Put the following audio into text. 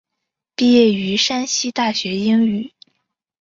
毕业于山西大学英语。